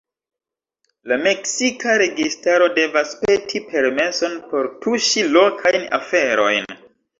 La meksika registaro devas peti permeson por tuŝi lokajn aferojn.